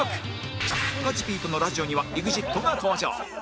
加地 Ｐ とのラジオには ＥＸＩＴ が登場